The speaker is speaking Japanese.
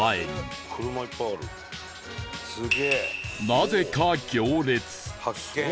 なぜか行列発見！